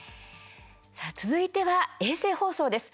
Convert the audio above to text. さあ、続いては衛星放送です。